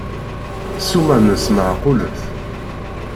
Ssuma-nnes meɛqulet.